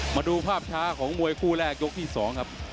มาดูภาพช้าของมวยคู่แรกยกที่๒ครับ